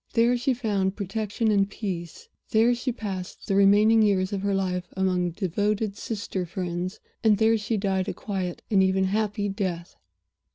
There she found protection and peace there she passed the remaining years of her life among devoted Sister friends and there she died a quiet and even a happy death.